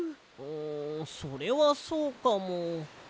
んそれはそうかも。